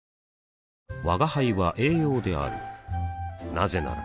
なぜなら